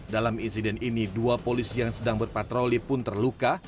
dalam insiden ini dua polisi yang sedang berpatroli pun terluka